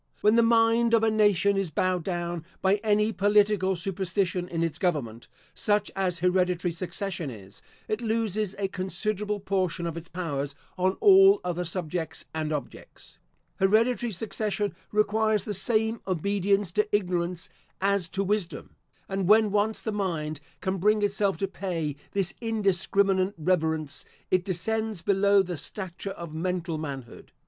When the mind of a nation is bowed down by any political superstition in its government, such as hereditary succession is, it loses a considerable portion of its powers on all other subjects and objects. Hereditary succession requires the same obedience to ignorance, as to wisdom; and when once the mind can bring itself to pay this indiscriminate reverence, it descends below the stature of mental manhood.